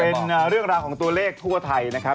เป็นเรื่องราวของตัวเลขทั่วไทยนะครับ